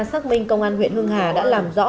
xác minh công an huyện hưng hà đã làm rõ